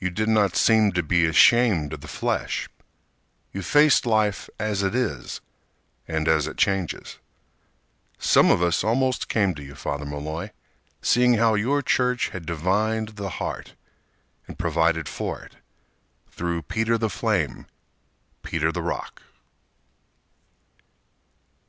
You did not seem to be ashamed of the flesh. You faced life as it is, And as it changes. Some of us almost came to you, Father Malloy, Seeing how your church had divined the heart, And provided for it, Through Peter the Flame, Peter the Rock.